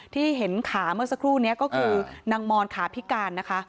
ที่เห็นขาเมื่อสักครู่นี้ก็คือนางมอนขาพิการนะคะ